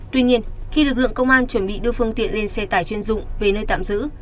tuy nhiên khi lực lượng công an chuẩn bị đưa phương tiện lên xe tải chuyên dụng về nơi tạm giữ